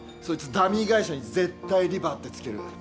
ダミー会社に絶対リバーって付ける。